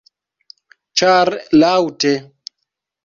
Ĉar Laŭte!